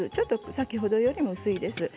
先ほどよりもちょっと薄いです。